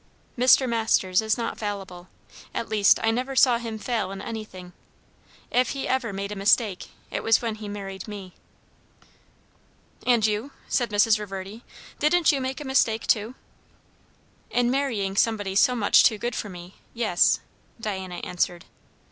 "Mr. Masters is not fallible. At least, I never saw him fail in anything. If he ever made a mistake, it was when he married me." "And you?" said Mrs. Reverdy. "Didn't you make a mistake too?" "In marrying somebody so much too good for me yes," Diana answered.